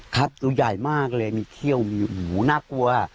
ตัวใหญ่มากเลยมีเขี้ยวมีหูน่ากลัว